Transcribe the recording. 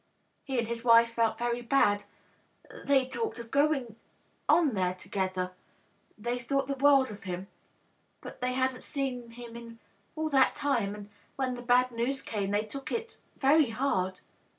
He and his wife felt very bad. They talked of going on there together. They thought the world of him, but they hadnH seen him in all that time, and when the bad news came they took it very hard.